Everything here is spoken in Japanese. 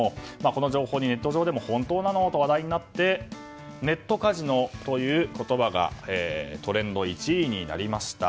この情報にネット上でも本当なの？と話題になってネットカジノという言葉がトレンド１位になりました。